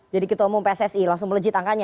jadi ketua pssi langsung melejit angkanya